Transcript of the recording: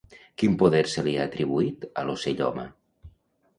Quin poder se li ha atribuït a l'ocell Homa?